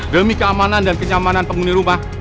demi keamanan dan kenyamanan penghuni rumah